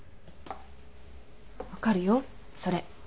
分かるよそれ。